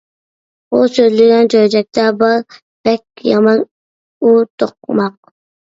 ئۇ سۆزلىگەن چۆچەكتە، بار بەك يامان ئۇر توقماق.